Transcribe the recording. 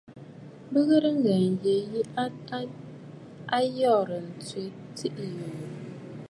Bìʼì ghɨ̀rə ŋghɛ̀ɛ̀ ǹyə yi, a yoorə̀ ǹtswe tsiiʼì yùyù.